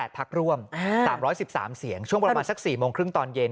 พักร่วม๓๑๓เสียงช่วงประมาณสัก๔โมงครึ่งตอนเย็น